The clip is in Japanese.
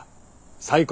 最高。